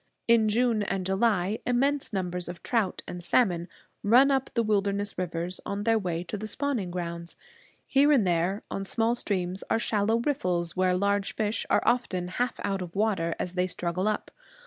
In June and July immense numbers of trout and salmon run up the wilderness rivers on their way to the spawning grounds. Here and there, on small streams, are shallow riffles, where large fish are often half out of water as they struggle up.